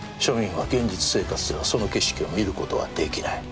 現実生活ではその景色を見ることはできない